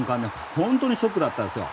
本当にショックだったんですよ。